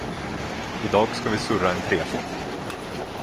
Idag ska vi surra en trefot.